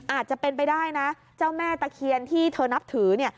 อาจจะเป็นไปได้นะเจ้าแม่ตะเคียนที่เธอนับถือเนี่ย